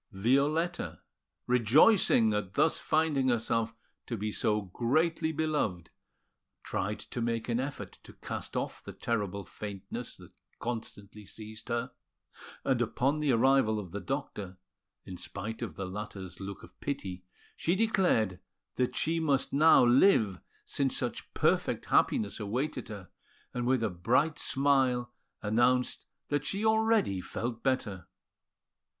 Violetta, rejoicing at thus finding herself to be so greatly beloved, tried to make an effort to cast off the terrible faintness that constantly seized her; and upon the arrival of the doctor, in spite of the latter's look of pity, she declared that she must now live since such perfect happiness awaited her, and with a bright smile announced that she already felt better.